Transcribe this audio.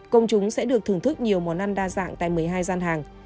công chúng sẽ được thưởng thức nhiều món ăn đa dạng tại một mươi hai gian hàng